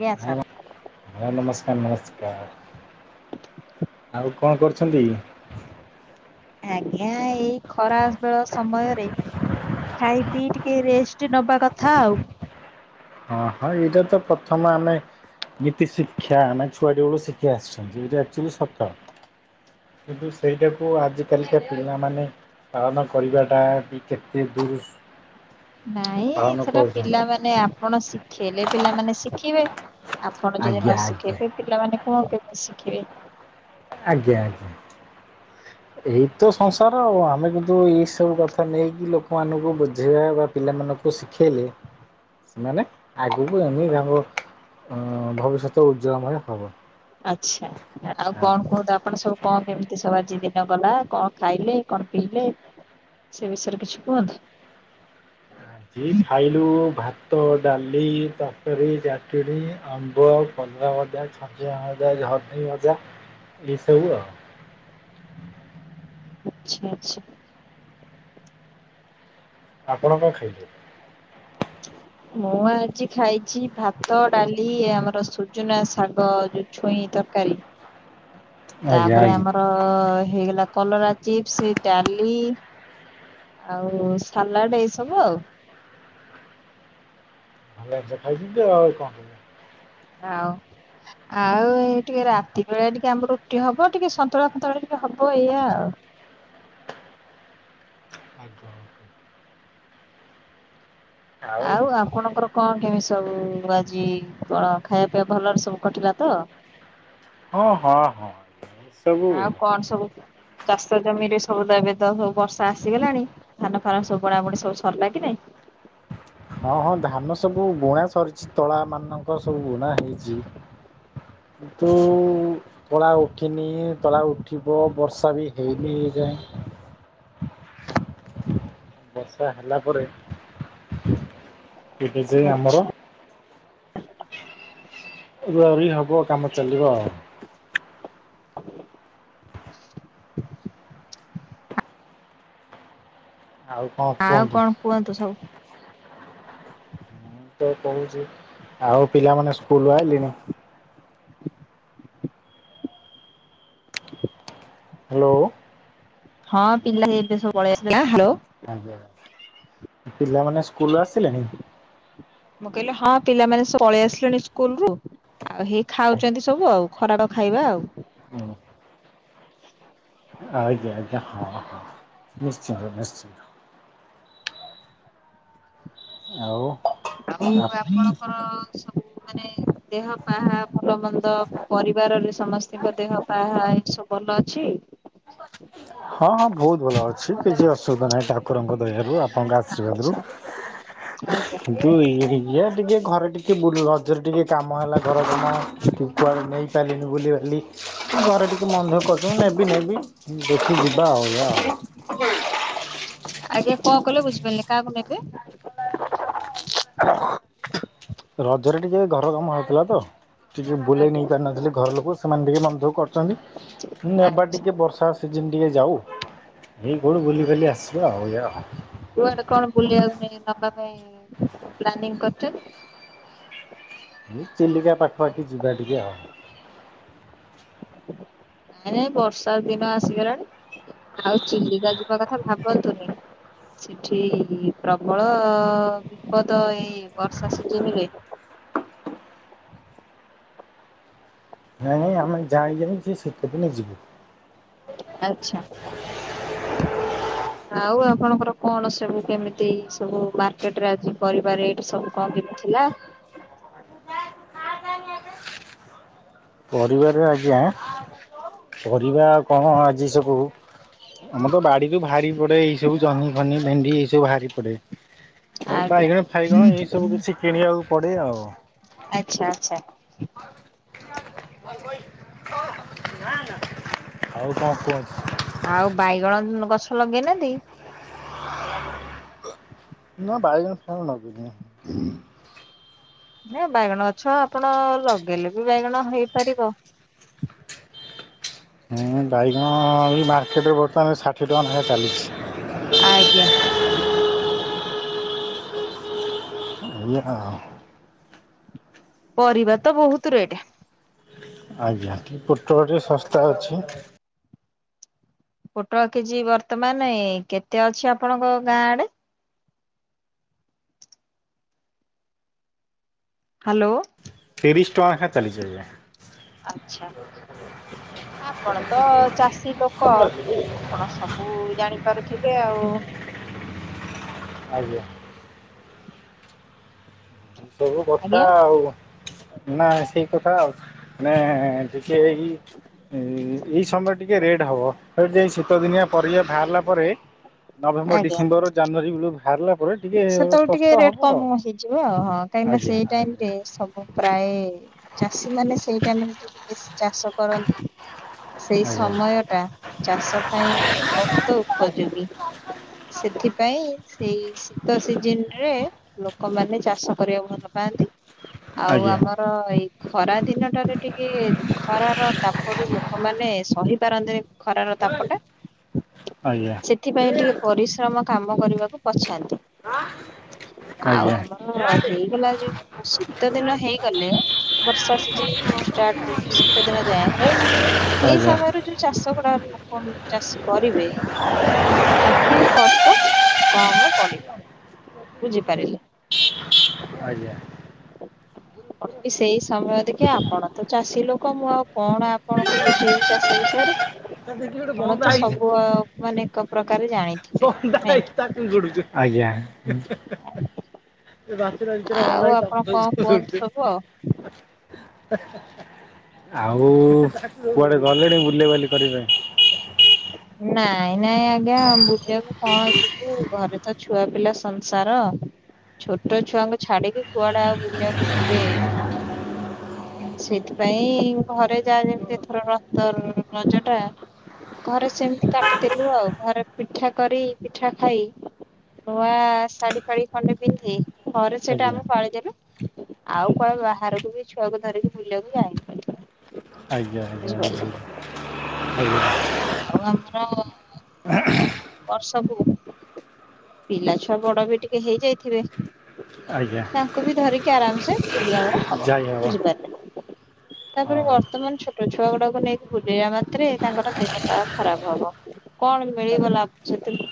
ଆଜ୍ଞା ଭାଇ ସାର୍। ହଁ ନମସ୍କାର, ନମସ୍କାର। ଆଉ କଣ କରୁଛନ୍ତି? ଆଜ୍ଞା, ଏଇ ଖରା ବେଳ ସମୟରେ ଖାଇ ପିଇ ଟିକେ ରେଷ୍ଟ ନବା କଥା ଆଉ। ହଁ, ହଁ ଏଇଟା ତ ପ୍ରଥମ ଆମେ ନୀତି ଶିକ୍ଷ୍ୟା ନା ଛୁଆଟି ବେଳୁ ଶିଖେ ଆସିଛନ୍ତି। ଏଇଟା ଆଚ୍ୟୁଲି ସତ। କିନ୍ତୁ ସେଇଟାକୁ ଆଜିକାଲିକା ପିଲାମାନେ ପାଳନ କରିବାଟା ବି କେତେ ଦୂର ନାଇଁ ପାଳନ ସେଟା କରୁଛନ୍ତି। ପିଲାମାନେ ଆପଣ ଶିଖେଇଲେ ପିଲାମାନେ ଶିଖିବେ ଆପଣ ଯଦି ଆଜ୍ଞା ନ ଆଜ୍ଞା ଶିଖେଇବେ ପିଲାମାନେ କଣ କେମିତି ଶିଖିବେ। ଆଜ୍ଞା ଆଜ୍ଞା। ଏଇତ ସଂସାର ଆଉ ଆମେ କିନ୍ତୁ ଏଇ ସବୁ କଥା ନେଇକି ଲୋକମାନଙ୍କୁ ବୁଝେଇବା ବା ପିଲାମାନଙ୍କୁ ଶି ଖେଇଲେ ସେମାନେ ଆଗକୁ ଆମି ତାଙ୍କ ଉଁ ଭବିଷ୍ୟତ ଉଜ୍ଜଳମୟ ହେବ ଆଚ୍ଛା ଆଉ କଣ କହନ୍ତୁ ଆପ ଆପଣ ସବୁ କଣ କେମିତି ସବୁ ଆଜି ଦିନ ଗଲା କଣ ଖାଇଲେ କଣ ପିଇଲେ ସେ ବିଷୟରେ କିଛି କୁହନ୍ତୁ? ଆଜି ଖାଇଲୁ ଭାତ, ଡାଲି, ତରକାରୀ ଚାଟଣୀ, ଆମ୍ବ କଲରା ଭଜା, ଛଚିନ୍ଦ୍ରଭଜା, ଝର୍ନି ଭଜା ଏଇସବୁ ଆଉ ଆଚ୍ଛା ଆଚ୍ଛା। ଆପଣ କଣ ଖାଇଲେ? [inaudible] ମୁଁ ଆଜି ଖାଇଛି ଭାତ, ଡାଲି ଆମର ସୁଜୁନା ଶାଗ ଯଉ ଛୁଇଁ ତରକାରୀ। ଆଜ୍ଞା ତାପରେ ଆଜ୍ଞା। ଆମର ଅ ହେଇଗଲା କଲରା ଚିପ୍ସ ଡାଲି ଆଉ ସାଲାଡ ଏଇ ସବୁ ଆଉ। ଭଲ ଜିନିଷ ଖାଇଚନ୍ତି ଆଉ କଣ। ଆଉ ଆଉ ଏଇ ଟିକେ ରାତି ବେଳା ଟିକେ ଆମର ରୁଟି ହବ ଟିକେ ସନ୍ତୁଳା ଫନ୍ତୁଳା ଟିକେ ହବ ଏଇଆ ଆଉ। ଆଜ୍ଞା ଆଜ୍ଞା। ଆଉ ଆପଣଙ୍କର କଣ କେମିତି ସବୁ ଆଜି କଣ ଖାଇବା ପିଇବା ଭଲରେ ସବୁ କଟିଲା ତ? ହଁ ହଁ ହଁ [unintelligible] ଆଉ କଣ ସବୁ ଚାଷ ଜମିରେ ସବୁ ତ ଏବେ ତ ସବୁ ବର୍ଷା ଆସିଗଲାଣି ଧାନ ଫାନ ସବୁ ବୁଣା ବୁଣି ସବୁ ସରିଲା କି ନାଇଁ? ହଁ ହଁ ଧାନ ସବୁ ବୁଣା ସରିଚି ତଳା ମାନଙ୍କ ସବୁ ବୁଣା ହେଇଚି କିନ୍ତୁ ଉ ତଳା ଉଠିନି ତଳା ଉଠିବ ବର୍ଷା ବି ହେଇନି ଏଇଯାଏଁ ବର୍ଷା ହେଲା ପରେ ତେବେ ଯାଇ ଆମର ଆଚ୍ଛା ରୁଆ ରୁଈ ହବ କାମ ଚାଲିବ ଆଉ। ଆଉ କଣ ଆଉ କୁହନ୍ତୁ? କଣ କୁହନ୍ତୁ ସବୁ? ମୁଁ କହୁଛି ଆଉ ପିଲାମାନୋନ ସ୍କୁଲ ଆଇଲେଣିି? ହ୍ୟାଲୋ। ହଁ ପିଲା ଏବେ ସବୁ ପଳେଇଆସି ଲେନି ହଁ ହାଲୋ ଆଜ୍ଞା ପିଲାମାନେ ସ୍କୁଲ ରୁ ଆସିଲେଣିି? ମୁଁ କହିଲି ହଁ ପିଲାମାନେ ସ ପଳେଇ ଆସିଲେଣି ସ୍କୁଲ ରୁ। ଆଉ ହେଇ ଖାଉଛନ୍ତି ସବୁ ଆଉ ଖରାବେଳ ଖାଇବା ଆଉ। ହଁ। ଆଜ୍ଞା ଆଜ୍ଞା ହଁ ହଁ ନିଶ୍ଚିନ୍ତ ନିଶ୍ଚିନ୍ତ। ଆଉ ଆଉ ହଁ ଆପଣଙ୍କର ସବୁ ମାନେ ଦେହ ପାହା ଭଲ ମନ୍ଦ ପରିବାରରେ ସମସ୍ତଙ୍କ ଦେହ ପାହା ଏସବୁ ଭଲ ଅଛି? ହଁ ହଁ ବହୁତୁ ଭଲ ଅଛି କିଛି ଅସୁବିଧା ନାହିଁ ଠାକୁରଙ୍କ ଦୟାଆାରୁ ଆପଣ ଆ ଆଶ୍ରୀବାଦରୁ। ଆଚ୍ଛା ଆଜ୍ଞା ତୁ ଇଏ ଟିକେ ଘରେ ଟିକେ ଵୁ ଲଜରେ ଟିକେ କାମ ହେଲା ଘର କାମ। ଟିକେ କୁଆଡେ ନେଇ ପାରିଲିନି ବୁଲିବାଲି ଘରେ ଟିକେ ମନ ଦୁଃଖ କରୁଚନ୍ତି ନେବି ନେବି। ଦେଖୁଚି ଜିବା ଆଉ ଏଇଆ। ଆଜ୍ଞା କଣ କହିଲେ ବୁଝିପାରିଲିନେହିଁ କାହାକୁ ନେବେ? ରଜରେ ଟିକେ ଘର କାମ ହେଇଥିଲା ତ। ଟିକେ ବୁଲେଇ ଆଜ୍ଞା ନେଇ ପାରି ନଥିଲି ଘର ଲୋକଙ୍କୁ ସେମାନେ ଟିକେ ମନ ଦୁଖ କରୁଛନ୍ତି ନେବା ଆଚ୍ଛା ଟିକେ ବର୍ଷା ସିଜିନି ଟିକେ ଯାଉ ହେଇ କୁଆଡ଼ୁ ବୁଲି ବାଲି ଆସିବା ଆଉ ଏଇଆ। କୁଆଡେ କଣ ବୁଲିବା ପାଇଁ ନବା ପାଇଁ ପ୍ଲାନିଙ୍ଗି କରିଚନ୍ତି? ଏ ଚିଲିକା ପାଖପାଖି ଯିବା ଟିକିଏ ଆଉ। ନାଇଁ ନାଇଁ ବର୍ଷା ଦିନ ଆସିଗଲାଣି। ଆଉ ଚିିଲିକା ଯିବା କଥା ଭାବନ୍ତୁନେହିଁ। ସେଠି ପ୍ରବଳ ବିପଦ ଏଇ ବର୍ଷା ସିଜିନିରେ। ନାଇଁ ନାଇଁ ଆମେ ଯାାଇ ଯାଇ ସେ ସିତ ଦିନେ ଯିବୁ। ଆଚ୍ଛା। ଆଉ ଆପଣଙ୍କର କଣ ସବୁ କେମିତି ସବୁ ମାର୍କେଟେରେ ଆଜି ପରିବା ରେଟେ ସବୁ କଣ କେମିତି ଥିଲା? ପରିବାରେ ଆଜ୍ଞା ପରିବା କଣ ଆଜି ସବୁ ଆମର ତ ବାଡିରୁୁ ଭାରି ପଡେ ଏଇ ସବୁ ଜନ୍ହି, ଫନି, ଭେଣ୍ଡି ଏଇ ସବୁ ଭାରି ପଡେ। ଏଇ ଆଜ୍ଞା। ବାଇଗଣ, ଫାଇଗଣ ଏଇ ସବୁ କିଛି କିଣିବାକୁ ପଡେ ଆଉ। ଆଚ୍ଛା ଆଚ୍ଛା। ଆଉ କଣ କୁହନ୍ତୁ? ଆଉ ବାଇଗଣ ଗଛ ଲଗେଇନାହାଁନ୍ତି? ନାଁ ବାଇଗଣ ଫାଇଗଣ ନଗେଇନେହିଁ। ନା ବାଇଗଣ ଗଛ ଆପଣ ଲଗେଇଲେ ବି ବାଇଗଣ ହେଇପାରିବ। ହେଁ ବାଇଗଣ ଏ ମାର୍କେଟେରେ ବର୍ତ୍ତମାନେ ଷାଠିଏ ଟଙ୍କା ନେଖା ଚାଲିଛି। ଆଜ୍ଞା। [inaudible] ପରିବା ତ ବହୁତ ରେଟେ। ଆଜ୍ଞା କି ପୋଟଳ ଟି ଶସ୍ତା ଅଛି। ପୋଟଳ କେଜି ବର୍ତ୍ତମାନେ କେତେ ଅଛି ଆପଣଙ୍କ ଗାଁ ଆଡେ? ହାଲୋ। ତିରିଶି ଟଙ୍କା ନାଖା ଚାଲିଚି ଆଜ୍ଞା। ଆଛା ଆପଣ ତ ଚାଷୀ ଲୋକ। ଆପଣ ସବୁ ଜାଣିପାରୁଥିବେ ଆଉ। ଆଜ୍ଞା। ହୋଉବର୍ଷା ଆଜ୍ଞା। ଆଉ। ନା ସେଇ କଥା ଆଉ ମାନେ ଟିକେଏଇ। ଏଇ ସମୟରେ ଟିକେ ରେଟେ ହବ ସେଟା ଟିକେ ଶୀତ ଦିନିଆ ପରିବା ବାହାରିଲା ପରେ ନଭେମ୍ବର, ଆଜ୍ଞା। ଡିସେମ୍ବର, ଜାନୁଆରୀ ବେଳୁକୁ ବାହାରିଲା ପରେ ଟିକେ ଶସ୍ତା ହବ ଆଉ। ଯିବା ଆଉ ହଁ କାହିଁକି ନା ଆଜ୍ଞା ସେଇ ଟାଇମ ଆଜ୍ଞା ରେ ସବ ପ୍ରାଏ ଚାଷୀ ମାନେ ସେଇ ଟାଇମରେ ଟିକେ ବେଶୀ ଚାଷ କରନ୍ତି। ସେଇ ଆଜ୍ଞା ସମୟ ଟା ଚାଷ ପାଇଁ ବହୁତ ଉପଯୋଗୀ। ସେଥିପାଇଁ ସେଇ ଶୀତ ସିଜିନ ରେ ଲୋକମାନେ ଚାଷ କରିବାକୁ ଭଲ ପାଆନ୍ତି। ଆଉ ଆଜ୍ଞା ଆମର ଏଇ ଖରା ଦିନ ଟାରେ ଟିକେ ଖରାର ତାପରୁ ଲ ଲୋକମାନେ ସହି ପାରନ୍ତିନି ଖରାର ତାପ ଟା ଆଜ୍ଞା। ଆଜ୍ଞା ସେ ଏଥିପାଇଁ ଟିକେ ପରିଶ୍ରମ କାମ କରିବାକୁ ପଛାନ୍ତି। ଆଉ ଆଜ୍ଞା ଆମର ହେଇଗଲା ଯୋଉ ଶୀତ ଦିନ ହେଇଗଲେ। ବର୍ଷା ସିଜନରୁୁ ଷ୍ଟାର୍ଟ ହଉ ଶୀତ ଦିନ ଯାଏ ଏଇ ଆଜ୍ଞା। ସମୟରେ ଯୋଉ ଚାଷ ଗୁଡା ଲୋକ ଚାଷୀ କରିବେ ତାଙ୍କୁ ଏ କଷ୍ଟ କମ ପଡିବ। ବୁଝିପାରିଲେ? ଆଜ୍ଞା। ଅତି ସେଇ ସମୟ ଦେଖେ ଆପଣ ତ ଚାଷୀ ଲୋକ ମୁଁ ଆଉ କଣ? କଣ କହୁଛି [unintelligible] ଚାଷ ବିଷୟ ରେ? ତା ଦେଖି ଗୋଟେ [unintelligible] ବନ୍ଦା ତ ହେଇଛି ସବୁ ମାନେ ଏକ ପ୍ରକାର ଜାଣିଥିବେ ବନ୍ଦା ହେଇଛି ନାଇକି? ତାକୁ ଆଜ୍ଞା। [unintelligible] ଆଉ ଆପଣ କଣ କୁହନ୍ତୁ ସବୁ ଆଉ ଆଉ କୁଆଡେ ଗଲେଣି ବୁଲେବାଲି କରିବେ? ନାଇଁ ନାଇଁ ଆଜ୍ଞା। ବୁଲିବାକୁ କଣ ଯିବି। ଘରେ ତ ଛୁଆ ପିଲା ସଂସାର। ଛୋଟ ଛୁଆଙ୍କୁ ଛାଡିକି କୁଆଡେ ଆଉ ବୁଲିବାକୁ ଯିବେ। ସେଥିପାଇଁ ଘରେ ଯା ଯେମିତି ଏଥର [unintelligible] ରଜ ଟା। ଘରେ ସେମିତି କାଟିଦଲୁ ଆଉ ଘରେ ପିଠା କରି ପିଠା ଖାଇ ନୂଆ ଶାଢ଼ୀ ଫାଡି ଖଣ୍ଡେ ପିନ୍ଧି। ଘରେ ସେଇଟା ଆଜ୍ଞା ଆମେ ପାଳି ଦେଲୁ ଆଉ କୁଆଡ଼େ ବାହାରକୁ ବି ଛୁଆକୁ ଧରିକି ବୁଲିବାକୁ ଯାଇନି। ଆଜ୍ଞା ଆଜ୍ଞା ଆଜ୍ଞା। ଆଉ ଆମର ଆଗ ବର୍ଷକୁୁ ପିଲା ଛୁଆ ବଡ ବି ଟିକେ ହେଇ ଯାଇଥିବେ। ଆଜ୍ଞା ତାଙ୍କୁ ବି ଧରିକି ଆରାମସେ ବୁଲି ଆମର ହବ। ବୁଝିପାରିଲେ? ତାପରେ ହଁ ବର୍ତ୍ତମାନ ଛୋଟ ଛୁଆ ଗୁଡାକୁ ନେଇକି ବୁଲିବା ମାତ୍ରେ ତାଙ୍କର ଦେହ ପା ଖରାପ ହବ। କଣ ମିଳିିବ ଲାଭ ସେଥିରୁ।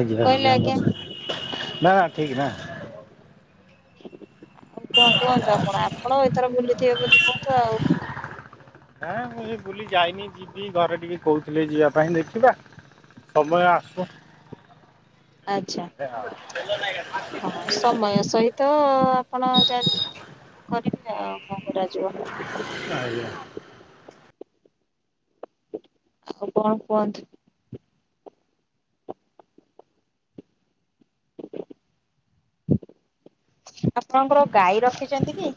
ଆଜ୍ଞା ଆଜ୍ଞା ବୁଝିଲି। ଆଉ କଣ କୁହନ୍ତୁ ଆପଣ ଆପଣ ଏଥର ବୁଲିଥିବେ ବ କୁହନ୍ତୁ ଆଉ ହଁ ମୁଁ ଏ ବୁଲି ଯାଇନି ଯିବି ଘରେ ଟିକେ କହୁଥିଲେ ଯିବା ପାଇଁ ଦେଖିବା ସମୟ ଆସୁ। ହଁ ସମୟ ସହିତ ତ ଆପଣ ଯାହା ଯେମିତି କରିବେ ଆଉ କଣ କରାଯିବ। ଆଜ୍ଞା। ଆଉ କଣ କୁହନ୍ତୁ? ଆପଣଙ୍କର ଗାଈ ରଖିଛନ୍ତି କି?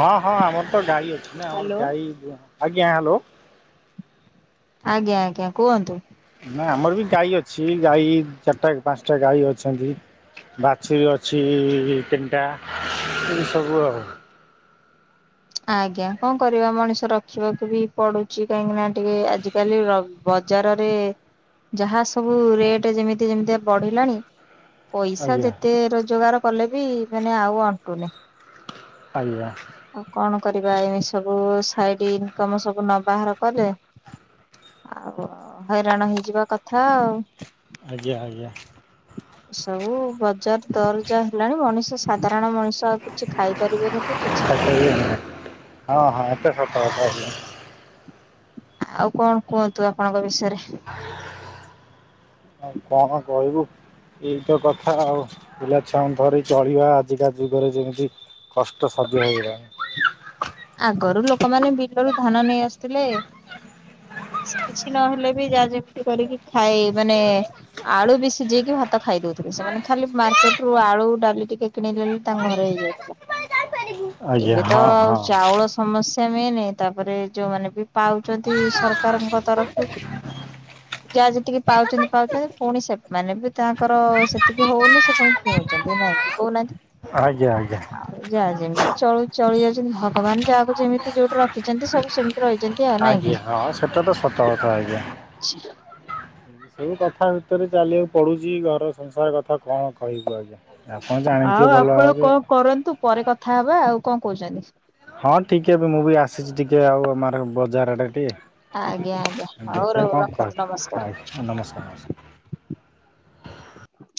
ହଁ ହଁ ଆମର ତ ଗାଈ ଅଛି ନା ଆମର ହ୍ୟାଲୋ। ଗାଈ [unintelligible] ଆଜ୍ଞା ଆଜ୍ଞା କୁହନ୍ତୁ? ନା ଆମର ବି ଗାଈ ଅଛି ଗାଈ ଚାରିଟା ପାଞ୍ଚଟା ଗାଈ ଅଛନ୍ତି। ବାଛୁରୀ ଅଛି ତୀନଟା ଏ ସବୁ ଆଉ। ଆଜ୍ଞା କଣ କରିବା ମଣିଷ ରଖିବାକୁ ବି ପଡୁଛି କାହିଁକି ନା ଟିକେ ଆଜିକାଲି ର ବଜାରରେ ଯାହା ସବୁ ରେଟ୍ ଯେମିତି ଯେମିତିଆ ବଢିଲାଣି ପଇସା ଆଜ୍ଞା। ଯେତେ ରୋଜଗାର କଲେ ବି ମାନେ ଆଉ ଅଣ୍ଟୁନି। ଆଜ୍ଞା। ଆଉ କଣ କରିବା ଏମିତୀ ସବୁ ସାଇଡ୍ ଇନକମ୍ ସବୁ ନ ବାହାର କଲେ ଆଉ ହଇରାଣ ହେଇଯିବା କଥା ଆଉ। ଆଜ୍ଞା ଆଜ୍ଞା। ସବୁ ବଜାର ଦର ଜା ହେଲାଣି ମଣିଷ ସାଧାରଣ ମଣିଷ ଆଉ କି କିଛି ଖାଇ ପାରିବେନି କିଛି କିଣିପାରିବେନି। ହଁ ହଁ ଏଟା ସତ କଥା କହିଲ। ଆଉ କଣ କୁହନ୍ତୁ ଆପଣଙ୍କ ବିଷୟରେ? ଆଉ କଣ କହିବୁ? ଏଇତ କଥା ଆଉ ପିଲାଛୁଆଙ୍କୁ ଧରି ଚଳିବା ଆଜିକା ଯୁଗରେ ଯେମିତି କଷ୍ଟ ସାଧ୍ୟ ହୋଇଗଲାଣି। ଆଗରୁ ଲୋକମାନେ ବିଲରୁ ଧାନ ନେଇ ଆଶୁଥିଲେ କିଛି ନହେଲେ ବି ଯାହା ଯେମିତି କରିକି ଖାଇ ମାନେ ଆଳୁ ବି ସିଝେଇକି ଭାତ ଖାଇଦଉଥିଲେ ସେମାନେ ଖାଲି ମାର୍କେଟ ରୁ ଆଳୁ ଡାଲି ଟିକେ କିଣିଦେଲେ ତାଙ୍କ ଘରେ ହେଇଯାଉଥିଲା ଆଜ୍ଞା ଏବେ ତ ହଁ ଆଉ ହଁ। ଚାଉଳ ସମସ୍ୟା ମେନେ ତାପରେ ଯୋଉମାନେ ବି ପାଉଛନ୍ତି ସରକାରଙ୍କ ତରଫରୁ ହ ଯାହା ଯେତିକି ପାଉଛନ୍ତି ପାଉଛନ୍ତି ପୁଣି ସେମାନେ ବି ତାଙ୍କର ସେତିକି ହଉନି ସେ ପୁଣି କିଣୁଛନ୍ତି ନାଇଁ କି କହୁନାହାନ୍ତି? ଆଜ୍ଞା ଆଜ୍ଞା। ଆଉ ଯାହା ଯେମିତି ଚଳୁ ଚଳି ଯାଉଛନ୍ତି ଭଗବାନ ଯାହାକୁ ଯେମିତି ଯୋଉଠି ରଖିଛନ୍ତି ସବୁ ସେମିତି ରହିଛନ୍ତି। ଆଉ ନାଇଁ କି। ଆଜ୍ଞା ହଁ ସେଇଟା ତ ସତ କଥା ଆଜ୍ଞା। ଛେ ସବୁ କଥା ଭିତରେ ଚାଲିବାକୁ ପଡ଼ୁଛି ଘର ସଂସାର କଥା କଣ କହିବୁ ଆଜ୍ଞା। ଆପଣ ଆଉ ଜାଣିଥିବେ ଭଲ ଆପଣ ଭାବେ କଣ ଆଉ। କରନ୍ତୁ ପରେ କଥା ହବା ଆଉ କଣ କହୁଛନ୍ତି? ହଁ ଠିକ୍ ଏବେ ବି ମୁଁ ବି ଆସିଛି ଟିକେ ଆଉ ଆମର ବଜାର ଆଡେ ଆଜ୍ଞା ଆଜ୍ଞା। ଟିକେ ଦେଖିବା କଣ କୁହ ଆ ନମସ୍କାର ନମସ୍କାର। [inaudible]